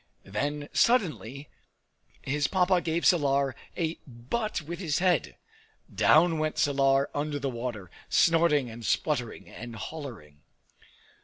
Then suddenly his Papa gave Salar a butt with his head. Down went Salar under the water, snorting and spluttering and hollering.